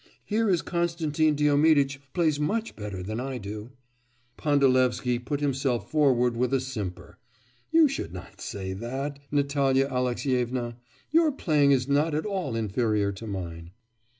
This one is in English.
Here is Konstantin Diomiditch plays much better than I do.' Pandalevsky put himself forward with a simper. 'You should not say that, Natalya Alexyevna; your playing is not at all inferior to mine.